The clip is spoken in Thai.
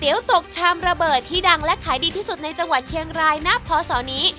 เดี๋ยวตกชามระเบิดที่ดังและขายดีที่สุดในจังหวัดเชียงรายณพศนี้